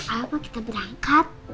apa kita berangkat